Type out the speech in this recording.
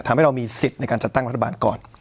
ทำให้เรามีสิทธิ์ในการจัดตั้งรัฐบาลก่อน